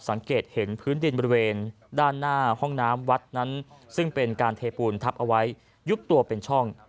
สังเกตเห็นพื้นดินบริเวณด้านหน้าห้องน้ำวัดนั้นซึ่งเป็นการเทปูนทับเอาไว้ยุบตัวเป็นช่อง